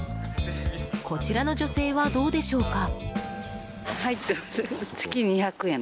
こちらの女性はどうでしょうか。